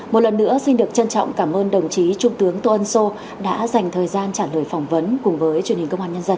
một lần nữa xin được trân trọng cảm ơn đồng chí trung tướng tô ân sô đã dành thời gian trả lời phỏng vấn cùng với truyền hình công an nhân dân